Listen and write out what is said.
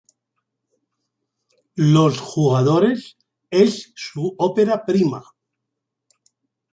Los jugadores es su ópera prima.